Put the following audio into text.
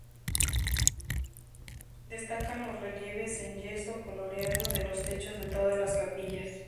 Destacan los relieves en yeso, coloreado, de los techos de todas las capillas.